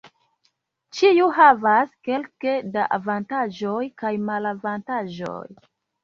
Ĉiu havas kelke da avantaĝoj kaj malavantaĝoj.